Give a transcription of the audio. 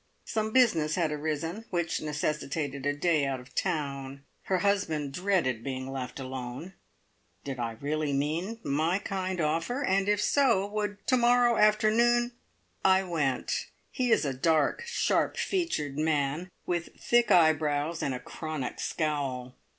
Some business had arisen which necessitated a day out of town. Her husband dreaded being left alone. Did I really mean my kind offer, and if so would to morrow afternoon I went. He is a dark, sharp featured man, with thick eyebrows and a chronic scowl.